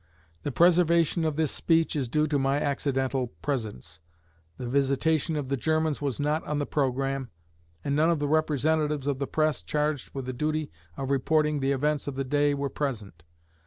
The preservation of this speech is due to my accidental presence. The visitation of the Germans was not on the programme, and none of the representatives of the press charged with the duty of reporting the events of the day were present.